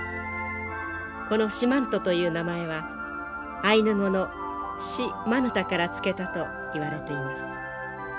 この四万十という名前はアイヌ語の「シ・マヌタ」から付けたといわれています。